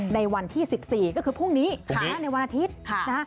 ในวันที่๑๔ก็คือพรุ่งนี้ในวันอาทิตย์